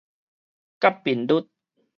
角頻率